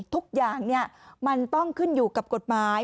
ทุกอย่างมันต้องขึ้นอยู่กับกฎหมาย